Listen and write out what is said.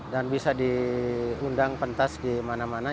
dan bisa diundang pentas di mana mana